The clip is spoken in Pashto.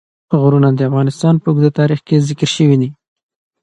غرونه د افغانستان په اوږده تاریخ کې ذکر شوی دی.